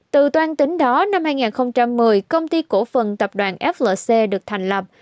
từ toan tính đó năm hai nghìn một mươi công ty cổ phần tập đoàn flc được thành lập